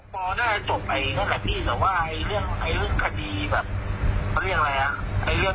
ปอปออ๊ะขี้โดจิตที่ปออีกมากกว่าเป็นมือ